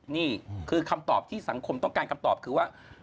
นี่คือคำตอบที่สังคมต้องการคำตอบคือว่า